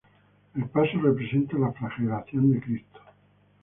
El paso representa la Flagelación de cristo.